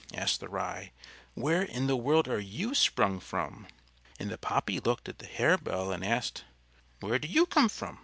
asked the Rye. "Where in the world are you sprung from?" And the Poppy looked at the Harebell and asked, "Where do you come from?"